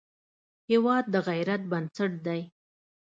هېواد د غیرت بنسټ دی.